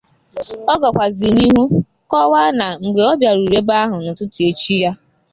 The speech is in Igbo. ọ gakwazịrị n'ihu kọwaa na mgbe ọ bịaruru ebe ahụ n'ụtụtụ echi ya